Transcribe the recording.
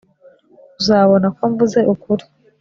uzabona ko mvuze ukuri